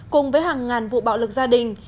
cùng với hàng ngàn vụ bạo lực gia đình